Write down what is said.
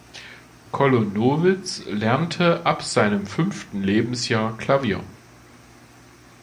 Kolonovits lernte ab seinem fünften Lebensjahr Klavier.